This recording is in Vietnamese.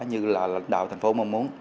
như là lãnh đạo thành phố mong muốn